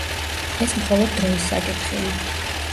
ეს მხოლოდ დროის საკითხია.